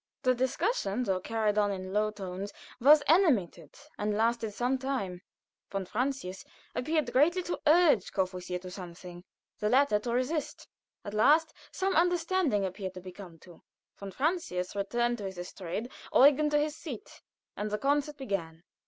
The discussion, though carried on in low tones, was animated, and lasted some time. Von Francius appeared greatly to urge Courvoisier to something the latter to resist. At last some understanding appeared to be come to. Von Francius returned to his estrade, Eugen to his seat, and the concert began.